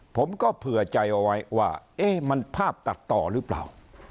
ผมก็เผื่อใจเอาไว้ว่าเอ๊ะมันภาพตัดต่อหรือเปล่า